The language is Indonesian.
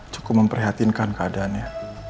cukup memprihatinkan keadaannya